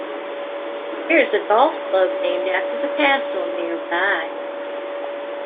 There is a golf club named after the castle nearby.